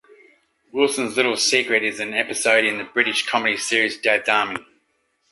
Wilson's Little Secret is an episode in the British comedy series Dad's Army.